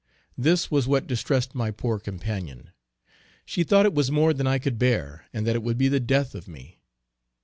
This was what distressed my poor companion. She thought it was more than I could bear, and that it would be the death of me.